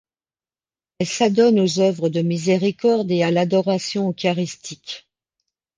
Elles s'adonnent aux œuvres de miséricorde et à l'adoration eucharistique.